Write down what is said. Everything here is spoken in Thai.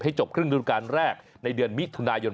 จบครึ่งฤดูการแรกในเดือนมิถุนายน